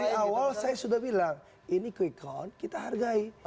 dari awal saya sudah bilang ini quick count kita hargai